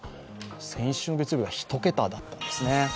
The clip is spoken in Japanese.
先週の月曜日は１桁だったんですね。